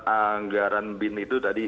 anggaran bin itu tadi